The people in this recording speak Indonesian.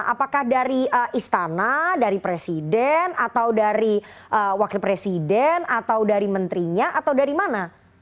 apakah dari istana dari presiden atau dari wakil presiden atau dari menterinya atau dari mana